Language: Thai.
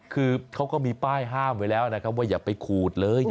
คือเขาก็มีป้ายห้ามไว้แล้วนะครับว่าอย่าไปขูดเลย